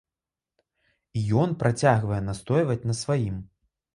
Ён працягвае настойваць на сваім.